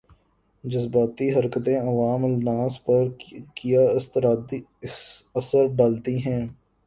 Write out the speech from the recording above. جذباتی حرکتیں عوام الناس پر کیا اثرڈالتی ہیں